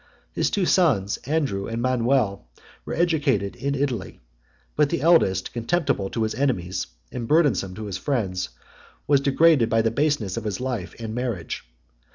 His two sons, Andrew and Manuel, were educated in Italy; but the eldest, contemptible to his enemies and burdensome to his friends, was degraded by the baseness of his life and marriage.